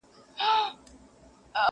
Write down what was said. زه لرمه کاسې ډکي د همت او قناعته.